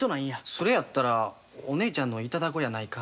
「それやったらお姉ちゃんの頂こうやないか」